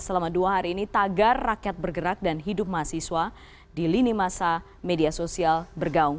selama dua hari ini tagar rakyat bergerak dan hidup mahasiswa di lini masa media sosial bergaung